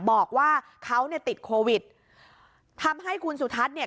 บอกว่าเขาเนี่ยติดโควิดทำให้คุณสุทัศน์เนี่ย